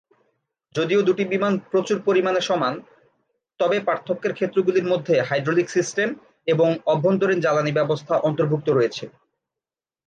যদিও দুটি বিমান প্রচুর পরিমাণে সমান, তবে পার্থক্যের ক্ষেত্রগুলির মধ্যে হাইড্রোলিক সিস্টেম এবং অভ্যন্তরীণ জ্বালানী ব্যবস্থা অন্তর্ভুক্ত রয়েছে।